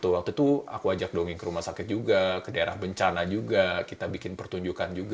waktu itu aku ajak dongeng ke rumah sakit juga ke daerah bencana juga kita bikin pertunjukan juga